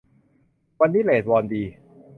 วันนี้เรทวอนดี